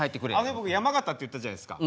僕山形って言ったじゃないですか。